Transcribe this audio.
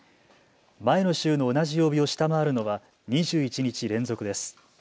前の週の同じ曜日を下回るのは２１日連続です。